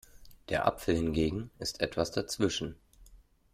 Der Apfel hingegen ist etwas dazwischen.